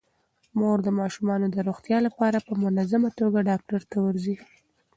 مور د ماشومانو د روغتیا لپاره په منظمه توګه ډاکټر ته ورځي.